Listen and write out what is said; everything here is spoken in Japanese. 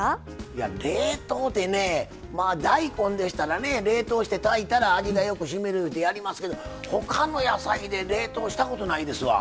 いや冷凍ってねまあ大根でしたらね冷凍して炊いたら味がよくしみるってやりますけどほかの野菜で冷凍したことないですわ。